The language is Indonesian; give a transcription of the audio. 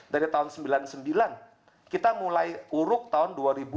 dari tahun seribu sembilan ratus sembilan puluh sembilan kita mulai uruk tahun dua ribu dua puluh